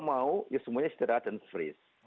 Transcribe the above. mau ya semuanya istirahat dan freeze